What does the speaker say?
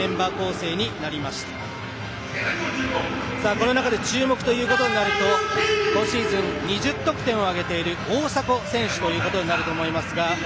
この中で注目となると今シーズン２０得点を挙げている大迫選手ということになると思います。